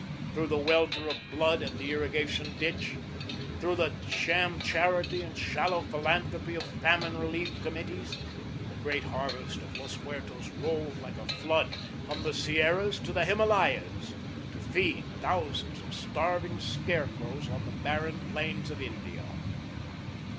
Through the welter of blood at the irrigation ditch, through the sham charity and shallow philanthropy of famine relief committees, the great harvest of Los Muertos rolled like a flood from the Sierras to the Himalayas to feed thousands of starving scarecrows on the barren plains of India.